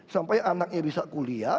sampai anaknya bisa kuliah